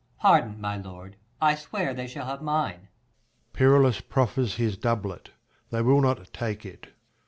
Per. Pardon, my lord, I swear they shall have mine. [Perillus proffers his doublet : they 'will not take it.